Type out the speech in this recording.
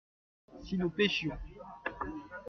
Si nous pêchions.